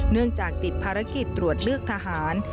เนื่องจากติดภารกิจตรวจเลือกทหาร